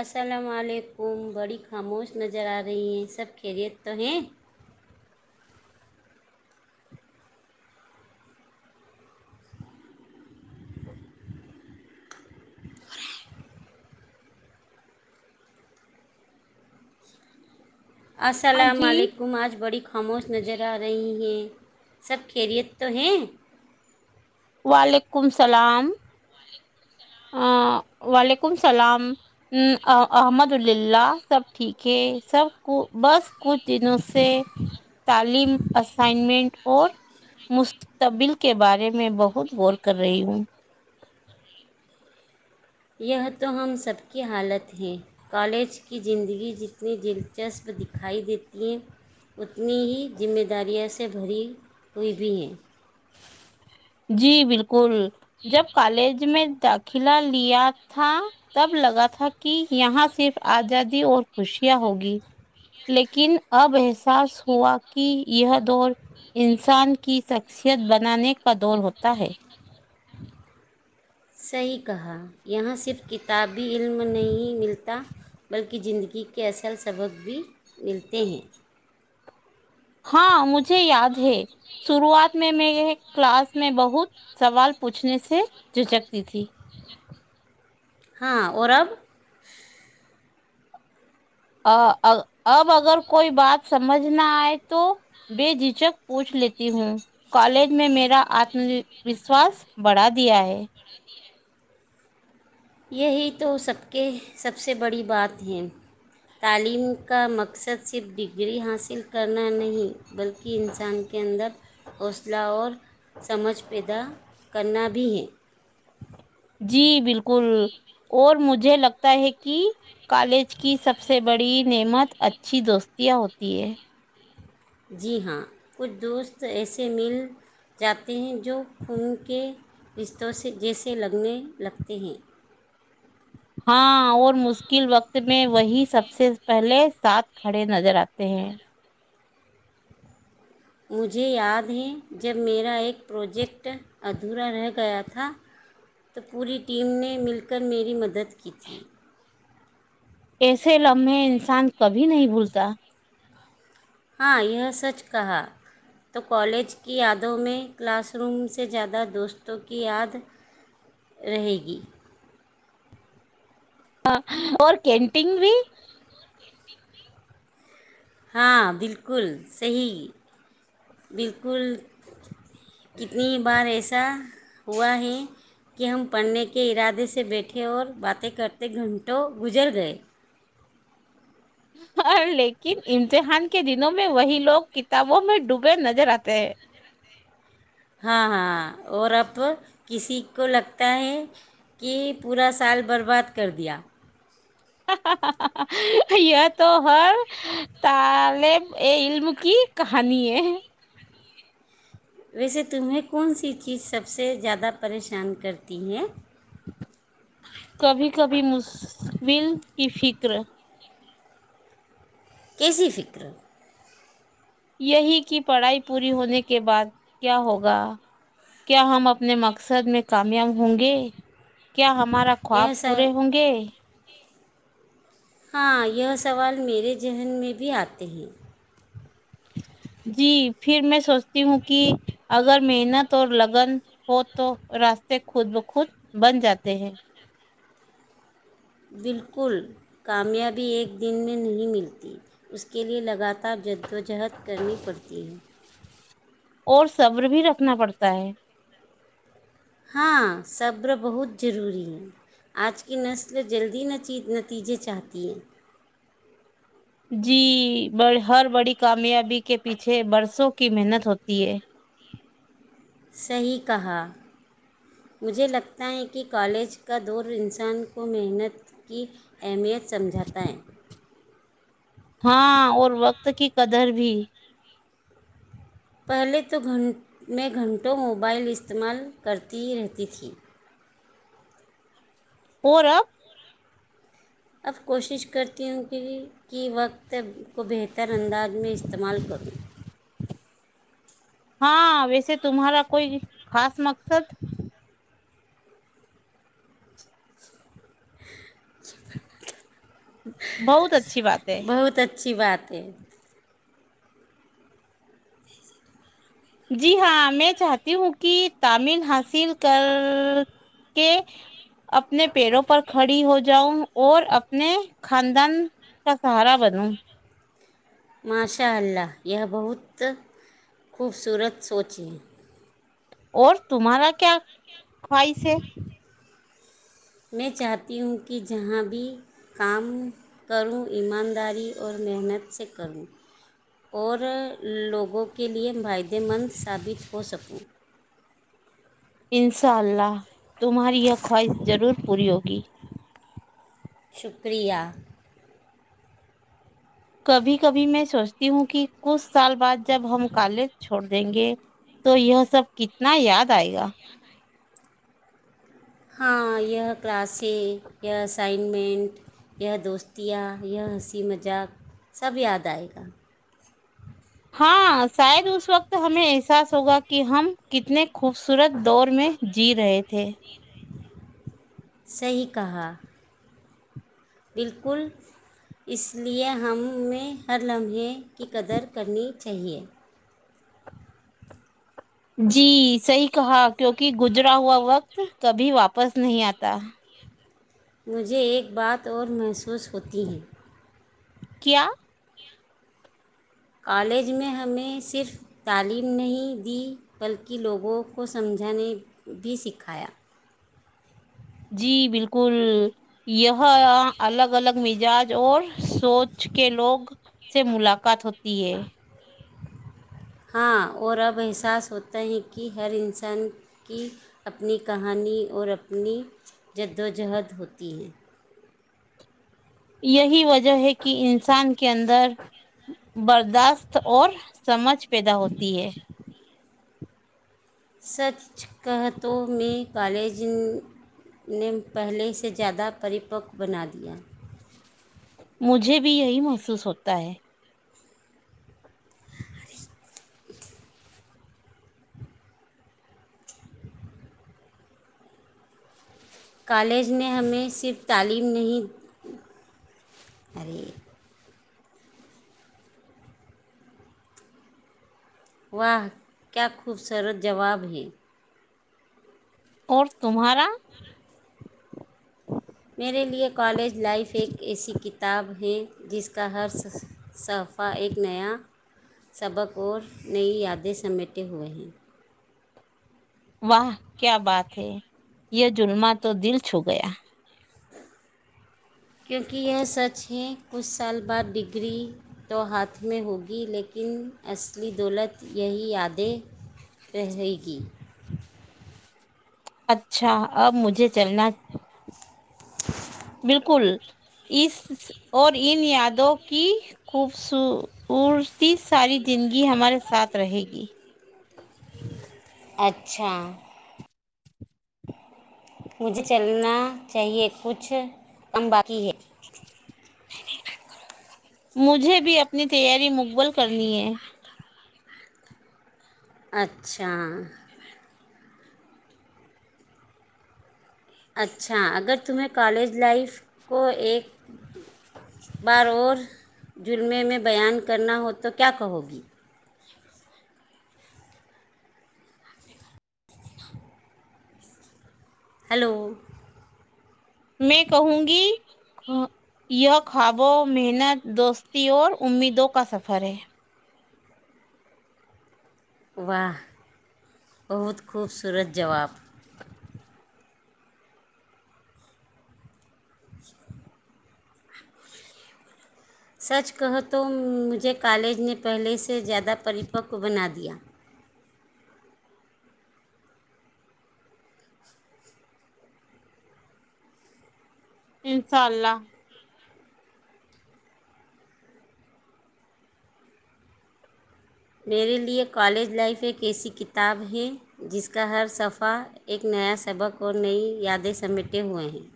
السلام علیکم بڑی خاموش نظر آ رہی ہیں سب خیریت تو ہیں ہاں السلام جی علیکم آج بڑی خبر خاموش نظر آ رہی ہیں سب خیریت تو ہیں وعلیکم السلام وعلیکم السلام احمد اللہ سب ٹھیک ہے سب کو بس کچھ دنوں سے تعلیم اسائنمنٹ اور مستقبل کے بارے میں بہت بہت غور کر رہی ہوں یہ تو ہم سب کی حالت ہے کالج کی زندگی جتنی دلچسپ دکھائی دیتی ہیں اتنی ہی ذمہ داروںں سے بھری ہوئی بھی ہیں جی بالکل جب کالج میں داخلہ لیا تھا تب لگا تھا کہ یہاں صرف آزادی اور خوشیاں ہوگی لیکن اب احساس ہوا کہ یہ دور انسان کی شخصیت بنانے کا دور ہوتا ہے صحیح کہا یہاں صرف کتابی علم نہیں ملتا بلکہ زندگی کے اصل سبق بھی ملتے ہیں ہاں مجھے یاد ہے شروعات میں میں کلاس میں بہت سوال پوچھنے سے جھجکتی تھی ہاں اورب اب اگر کوئی بات سمجھ نہ آئے تو بےجھجھک پوچھ لیتی ہوں کالج میں میرا آتم وشواس بڑھا دیا ہے یہی تو سب کے سب سے بڑی بات ہے تعلیم کا مقصد صرف ڈگری حاصل کرنا نہیں بلکہ انسان کے اندر حوصلہ اور سمجھ پیدا کرنا بھی ہے [inaudible] جی بالکل اور مجھے لگتا ہے کہ کالج کی سب سے بڑی نعمت اچھی دوستیاں ہوتی ہے جی ہاں کچھ دوست ایسے مل جات ت ہیں جو خون کے رشتوں سے جیسے لگنے لگتے ہیں ہاں اور مشکل وقت میں وہی سب سے پہلے ساتھ کھڑے نظر آتے ہیں مجھے یاد ہے جب میرا ایک پروجیکٹ ادھورا رہ گیا تھا تو پوری ٹیم نے مل کر میری مدد ک ت ایسے لمحے انسان کبھی نہیں بھولتا ہاں یہ سچ کہا تو کالج کی یادوں میں کلاس روم سے زیادہ دوستوں کی یاد رہے گی ہاں اور کینٹین بھی ہاں بالکل صی بالکل [inaudible] اتنی بار ایسا ہوا ہے کہ ہم پڑھنے کے ارادے سے بیٹھے اور باتیں کرتے گھنٹوں گزر گئے لیکن امتحان کے دنوں میں وہی لوگ کتابوں میں ڈوبے نظر آتے ہیں ہاں ہاں اور اب کسی کو لگتا ہے کہ پورا سال برباد کر دیا یہ تو ہر تالب ا علم کی کہانی ہے ویسے تمہیں کون سی چیز سب سے زیادہ پریشان کرتی ہے ول کی فکر کیسیی فکر یہی کی پڑھائی پوری ہونے کے بعد کیا ہوگا کیا ہم اپنے مقصد میں کامیاب ہوں گے کیا ہم ہمارا خواب یہ سا پورے ہوں گے ہاں یہ سوال میرے ذہن میں بھی آتے ہیں جی پھر میں سوچتی ہوں کہ اگر محنت اور لگن ہو تو راستے خود بخود بن جاتے ہیں بالکل کامیابی ایک دن میں نہیں ملتی اس کے لئے لگاتار جدوجہد کرنی پڑتی ہے اور صبر بھی رکھنا پڑتا ہے ہاں صبر بہت ضروری ہے آج کی نسل جلدی نتیجے چاہتی ہے جی جی بڑ ہر بڑی کامیابی کے پیچھے برسوں کی محنت ہوتی ہے صحیح کہا مجھے لگتا ہے کہ کالج کا دور انسان کو محنت کی اہمیت سمجھاتا ہے ہاں اور وقت کی قدر بھی پہلے تو گھنٹ میں گھنٹوں موبائل استعمال کرتی ہی رہتی تھی اورورب اب کوشش کرتی ہوں کہ کی وقت کو بہتر انداز میں استعمال کروں ہاں ویسے تمہارا کوئی خاص مقصد [inaudible] بہت اچھا اچھی بات ہے بہت اچھی بات ہے جی ہاں میں چاہتی ہوں کہ تعمل حاصل کر کے اپنے پیروں پر کھڑی ہو جاؤں اور اپنے خاندان کا سہارا بنوں ماشاء اللہ یہ بہت خوبصورت سوچ ہے اور تمہارا کیا خواہش ہے میں چاہتی ہوں کہ جہاں بھی کام کروں ایمانداری اور محنت سے کروں اور لوگوں کے لیے فائدہ مند ثابت ہو سکوں انشاء اللہ تمہاری یہ خواہش ضرور پرییگی شکریہ کبھی کبھی میں سوچتی ہوں کہ کچھ سال بعد جب ہم کالج چھوڑ دیں گے تو یہ سب کتنا یاد آئے گا ہاں یہ کلاسیں یہ اسائنمنٹ یہ دوستیاں یہ ہنسی مذاق سب یاد آئے گا ہاں شاید اس وقت ہمیں احساس ہوگا کہ ہم کتنے خوبصورت دور میں جی رہے تھے صیح کہا بالکل اس لیے ہمیں ہر لمحے کی قدر کرنی چاہیے جی صحی کہا کیوںکہ گزرا ہوا وقت کبھی واپس نہیں آتا مجھے ایک بات اور محسوس ہوتی ہے کیا کالج میں ہمیں صرف تعلیم نہیں دی بلکہ لوگوں کو سمجھانے بھی سکھایا جی بالکل یہ الگ الگ مزاج اور سوچ کے لوگ سے ملاقات ہوتی ہے ہاں اور اب احساس ہوتا ہے کہ ہر انسان کی اپنی کہانی اور اپنی جدوجہد ہوتی ہے یہی وجہ ہے کہ انسان کے اندر برداشت اور سمجھ پیدا ہوتی ہے سچ کہتوں میں کالج نے پہلے سے زیادہ پریپک بنا دیا مجھے بھی یہی محسوس ہوتا ہے کالج نے ہمیں صرف تعلیم نہیں ارے وہاہ کیا خوبصورت جواب ہیں اور تمہارا میرے لیے کالج لائف ایک ایسی کتاب ہے جس کا ہر صحفہ ایک نیا سبق اور نئی یادیں سمیٹے ہوئے ہیں واہ کیا بات ہے یہ جلمہ تو دل چھو گیا کیونکہ یہ سچ ہے کچھ سال بعد ڈگری تو ہاتھ میں ہوگی لیکن اصلی دولت یہی یادیں رہے گی اچھا اب مجھے چلنا [inaudible] بالکل اس اور ان یادوں کی خوبصورتی ساری زندگی ہمارے ساتھ رہے گی اچھا مجھے چلنا چاہیے کچھ کم باقی ہے مجھے بھی اپنی تیاری مقبل کرنی ہے اچھا اچھا اگر تمہیں کالج لائف کو ایک بار اور جرمے میں بیان کرنا ہو تو کیا کہو گی ہلو میں کہوں گی یہ خوابوں محنت دوستی اور امیدوں کا سفر ہے واہ بہت خوبصورت جواب س سچ کہو تو مجھے کالج نے پہلے سے سے زیادہ پریپکو بنا دیا ہ میرے لیے کالج لائف ایک ایسی کتاب ہے جس کا ہر صفحہ ایک نیا سبق اور نئی یادیں سمیٹے ہوئے ہیں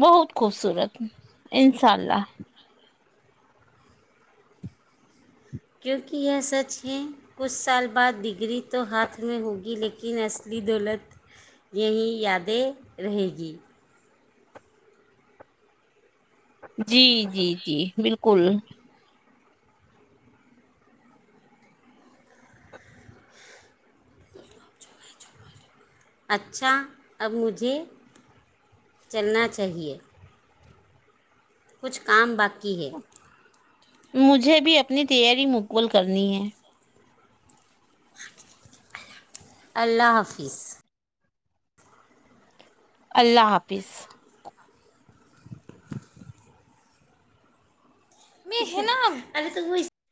بہت خوبصورت انشاء اللہ کیونکہ یہ سچ ہیں کچھ سال بعد ڈگری تو ہاتھ میں ہوگی لیکن اصلی دولت یہی یادیں رہے گی ہچ جی جی جی بالکل اچھا اب مجھے چلنا چاہیے کچھ کام باقی ہے مجھے بھی اپنی تیاری مقول کرنی ہے اللہ حافظ اللہ حافظ م نا ا توئی [unintelligible]